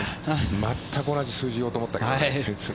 全く同じ数字言おうと思った。